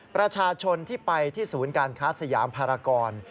ประชาชนที่ไปที่ศูนย์การค้าสยามภารกร